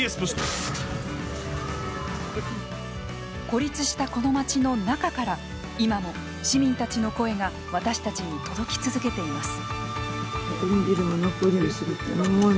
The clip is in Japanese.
孤立したこの街の中から今も市民たちの声が私たちに届き続けています。